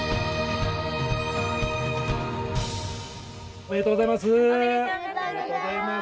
おめでとうございます。